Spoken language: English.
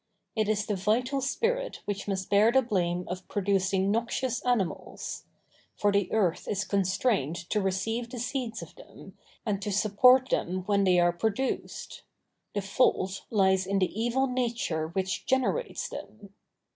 It is the vital spirit which must bear the blame of producing noxious animals; for the earth is constrained to receive the seeds of them, and to support them when they are produced. The fault lies in the evil nature which generates them.